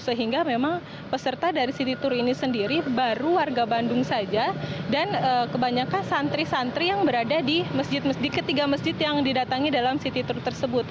sehingga memang peserta dari city tour ini sendiri baru warga bandung saja dan kebanyakan santri santri yang berada di ketiga masjid yang didatangi dalam city truk tersebut